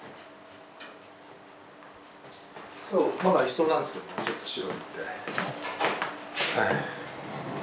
まだ一層なんですけどちょっと白塗って。